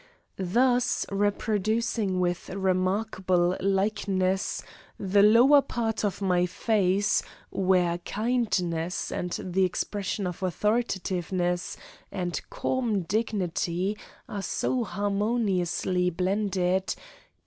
Thus, reproducing with remarkable likeness, the lower part of my face, where kindness and the expression of authoritativeness and calm dignity are so harmoniously blended, K.